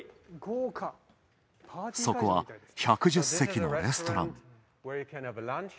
そこは１１０席のレストラン。